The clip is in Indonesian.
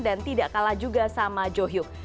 dan tidak kalah juga sama jo hyuk